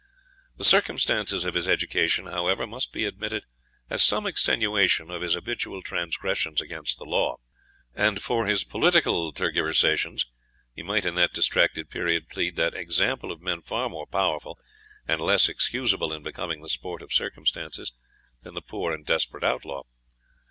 The circumstances of his education, however, must be admitted as some extenuation of his habitual transgressions against the law; and for his political tergiversations, he might in that distracted period plead the example of men far more powerful, and less excusable in becoming the sport of circumstances, than the poor and desperate outlaw.